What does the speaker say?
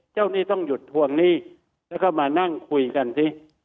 หนี้ต้องหยุดทวงหนี้แล้วก็มานั่งคุยกันสิ